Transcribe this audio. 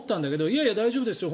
いやいや大丈夫ですよ